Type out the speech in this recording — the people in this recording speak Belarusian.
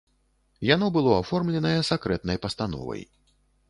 Яно было аформленае сакрэтнай пастановай.